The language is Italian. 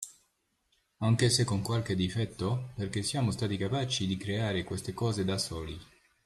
Anche se con qualche difetto, perché siamo stati capaci di creare queste cose da soli.